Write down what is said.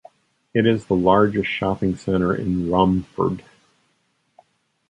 It is the largest shopping centre in Romford.